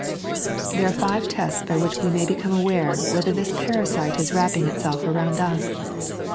There are five tests by which we may become aware whether this parasite is wrapping itself around us.